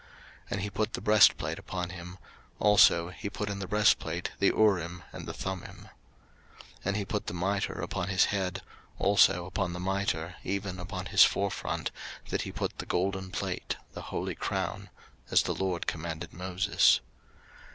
03:008:008 And he put the breastplate upon him: also he put in the breastplate the Urim and the Thummim. 03:008:009 And he put the mitre upon his head; also upon the mitre, even upon his forefront, did he put the golden plate, the holy crown; as the LORD commanded Moses.